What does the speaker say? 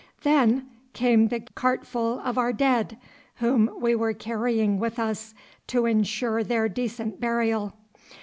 Then came the cartful of our dead, whom we were carrying with us to insure their decent burial.